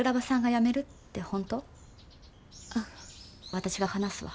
私が話すわ。